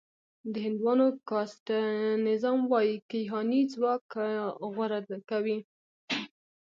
د هندوانو کاسټ نظام وايي کیهاني ځواک غوره کوي.